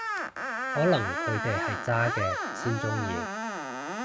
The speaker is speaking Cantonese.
可能佢哋係渣嘅先鍾意